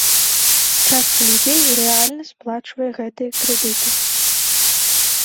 Частка людзей рэальна сплачвае гэтыя крэдыты.